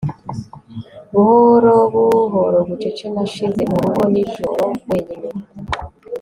Buhorobuhoro bucece nashize Murugo nijoro wenyine